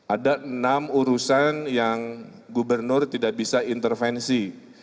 ada enam urusan yang gubernur tidak bisa intervensi